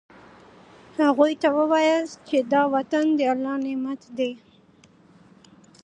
هغوی ته ووایاست چې دا وطن د الله نعمت دی.